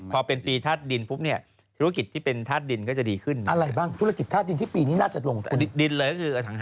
แพ้ทาสดิ้นอยู่ไหมควรจะระวัง